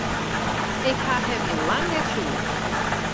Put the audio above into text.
Ik haw him yn lang net sjoen.